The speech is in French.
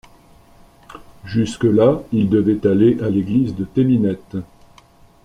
Jusque-là ils devaient aller à l'église de Theminettes.